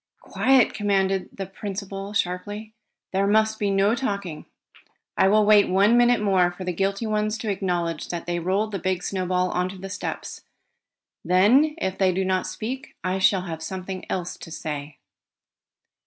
"Quiet!" commanded the principal sharply. "There must be no talking. I will wait one minute more for the guilty ones to acknowledge that they rolled the big snowball on the steps. Then, if they do not speak, I shall have something else to say."